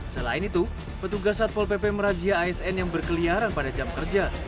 selain itu petugas satpol pp merazia asn yang berkeliaran pada jam kerja